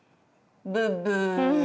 ブッブー。